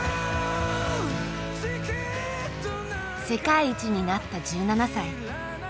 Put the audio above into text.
世界一になった１７歳。